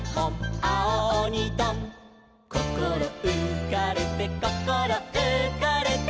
「こころうかれてこころうかれて」